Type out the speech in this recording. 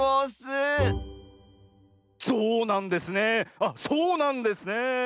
あっそうなんですねえ。